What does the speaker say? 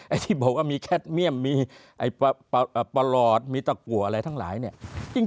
ที่บอกว่ามีแคทเมี่ยมมีไอ้ประหลอดมีตะกัวอะไรทั้งหลายเนี่ย